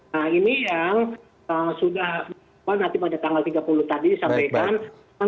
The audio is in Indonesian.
nah ini yang sudah nanti pada tanggal tiga puluh tadi disampaikan